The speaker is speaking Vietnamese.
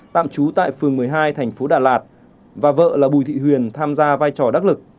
tạm trú tại phường một mươi hai thành phố đà lạt và vợ là bùi thị huyền tham gia vai trò đắc lực